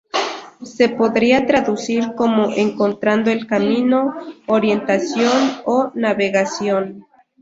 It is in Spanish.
Se podría traducir como "encontrando el camino", "orientación" o "navegación".